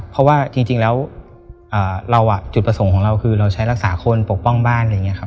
เพราะจุดประสงค์ของเราเราใช้รักษาคนปกป้องบ้าน